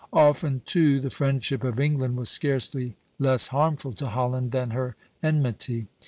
Often, too, the friendship of England was scarcely less harmful to Holland than her enmity.